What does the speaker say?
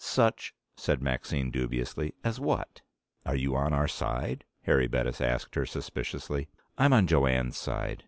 "Such," said Maxine dubiously, "as what?" "Are you on our side?" Harry Bettis asked her suspiciously. "I'm on Jo Anne's side.